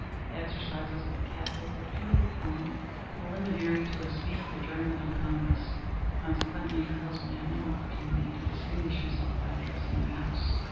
The exercises at the Capitol were purely formal, preliminary to a speedy adjournment of Congress. Consequently her husband had no opportunity to distinguish himself by addressing the house.